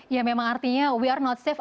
ya memang artinya we are note safe